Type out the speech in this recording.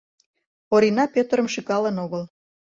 Орина Пӧтырым шӱкалын огыл.